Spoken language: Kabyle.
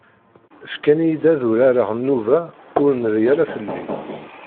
Fkan-iyi-d ad d-urareɣ nnuba ur nerri ara fell-i.